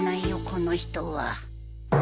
この人は